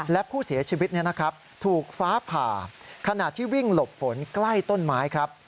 และผู้เสียชีวิตถูกฟ้าผ่าขณะที่วิ่งหลบฝนใกล้ต้นไม้ครับ